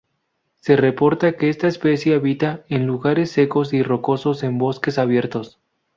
Se reporta que esta especie habita en lugares secos y rocosos en bosques abiertos.